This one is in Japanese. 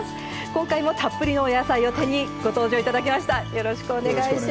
今回も、たっぷりのお野菜を手にご登場いただきました。